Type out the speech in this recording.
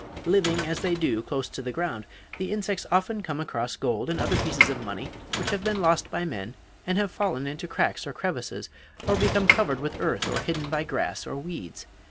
Living, as they do, close to the ground, the insects often come across gold and other pieces of money which have been lost by men and have fallen into cracks or crevasses or become covered with earth or hidden by grass or weeds.